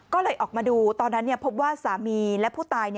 ก็เลยออกมาดูตอนนั้นพบว่าสามีและผู้ตาย